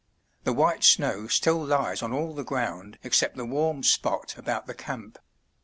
The white snow still lies on all the ground except the warm spot about the camp.